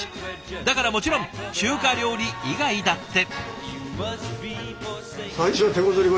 だからもちろん中華料理以外だって。